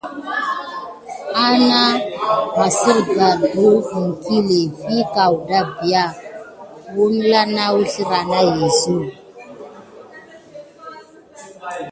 Aknah maserga det iŋklé vi kawda bia uzrlah na uwa na yezu.